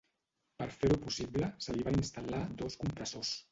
Per fer-ho possible se li van instal·lar dos compressors.